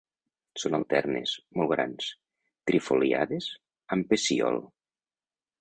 Són alternes, molt grans, trifoliades, amb pecíol.